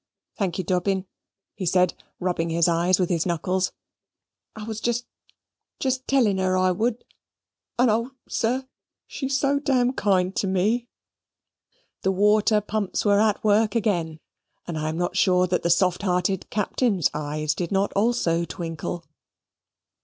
"Thank you, Dobbin," he said, rubbing his eyes with his knuckles, "I was just just telling her I would. And, O Sir, she's so dam kind to me." The water pumps were at work again, and I am not sure that the soft hearted Captain's eyes did not also twinkle.